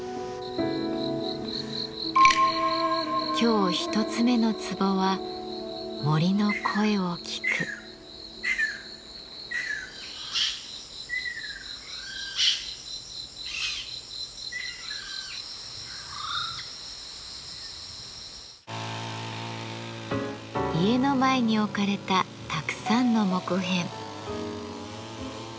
今日一つ目のツボは家の前に置かれたたくさんの木片。